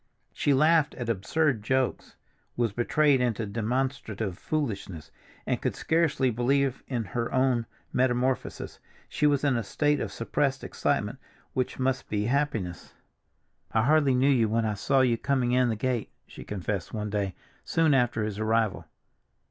She laughed at absurd jokes, was betrayed into demonstrative foolishness, and could scarcely believe in her own metamorphosis. She was in a state of suppressed excitement which must be happiness. "I hardly knew you when I saw you coming in the gate," she confessed one day soon after his arrival.